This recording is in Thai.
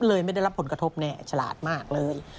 ไม่ได้รับผลกระทบแน่ฉลาดมากเลย